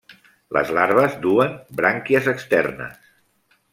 Les larves duen brànquies externes.